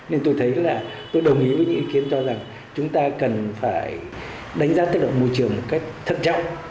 nên tôi thấy là tôi đồng ý với những ý kiến cho rằng chúng ta cần phải đánh giá tác động môi trường một cách thận trọng